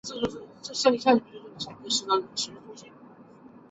该山也是一等卫星控制点。